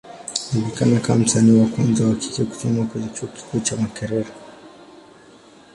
Alijulikana kama msanii wa kwanza wa kike kusoma kwenye Chuo kikuu cha Makerere.